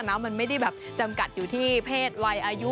มันไม่ได้แบบจำกัดอยู่ที่เพศวัยอายุ